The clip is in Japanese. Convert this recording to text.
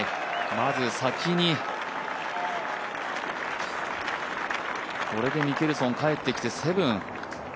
まず先に、これでミケルソン帰ってきて、７。